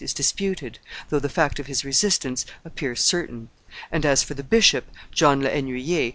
is disputed, though the fact of his resistance appears certain; and as for the bishop, John le Hennuyer, M.